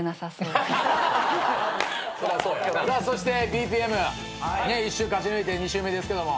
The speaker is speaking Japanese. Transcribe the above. そしてＢＰＭ１週勝ち抜いて２週目ですけども。